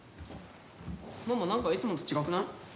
ママ何かいつもと違くない？